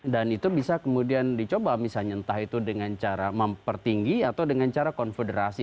dan itu bisa kemudian dicoba misalnya entah itu dengan cara mempertinggi atau dengan cara konfederasi